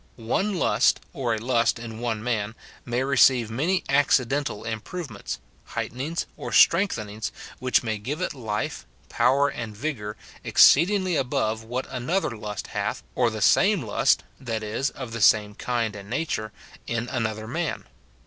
] One lust, or a lust in one man, may receive many accidental improvements, heightenings, and strengthen ings, which may give it life, power, and vigour, exceed ingly above what another lust hath, or the same lust (that is, of the same kind and nature) in another man.